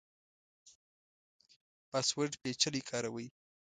پاسورډ پیچلی کاروئ؟